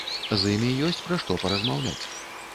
З імі ёсць пра што паразмаўляць.